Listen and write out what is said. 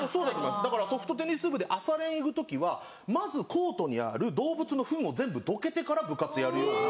だからソフトテニス部で朝練行く時はまずコートにある動物のフンを全部どけてから部活やるような。